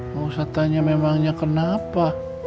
gak usah tanya memangnya kenapa